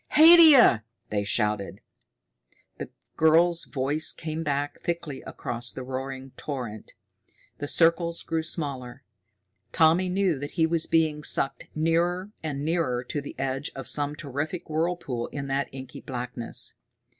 "Haidia!" they shouted. The girl's voice came back thickly across the roaring torrent. The circles grew smaller. Tommy knew that he was being sucked nearer and nearer to the edge of some terrific whirlpool in that inky blackness.